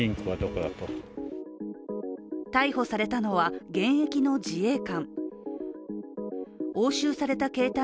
逮捕されたのは現役の自衛官。